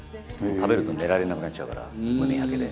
食べると寝られなくなっちゃうから胸焼けで。